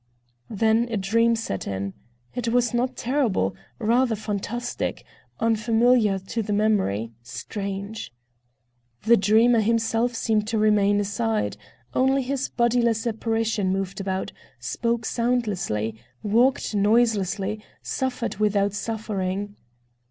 Then a dream set in. It was not terrible, rather fantastic, unfamiliar to the memory, strange. The dreamer himself seemed to remain aside, only his bodiless apparition moved about, spoke soundlessly, walked noiselessly, suffered without suffering.